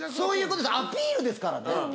アピールですからね。